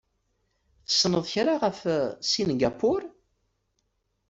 Tessneḍ kra ɣef Singapur?